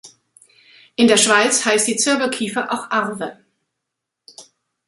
In der Schweiz heißt die Zirbelkiefer auch Arve.